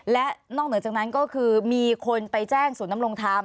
และนอกเหนือจากนั้นก็คือมีคนไปแจ้งศูนย์นำรงธรรม